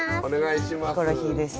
ヒコロヒーです。